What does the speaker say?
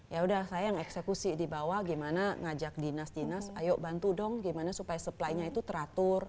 ya udah saya yang eksekusi di bawah gimana ngajak dinas dinas ayo bantu dong gimana supaya supply nya itu teratur